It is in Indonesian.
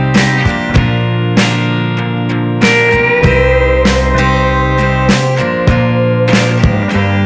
terima kasih banyak om tante